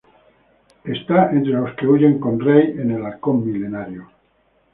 Él está entre los que huyen con Rey en el Halcón Milenario.